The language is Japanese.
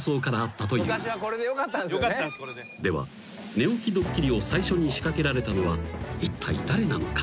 寝起きドッキリを最初に仕掛けられたのはいったい誰なのか？］